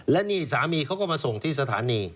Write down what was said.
และนี่สามีเขาก็มาส่งที่สถานี